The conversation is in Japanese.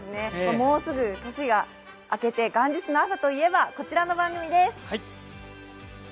もうすぐ年が明けて、元日の朝といえばこちらの番組です。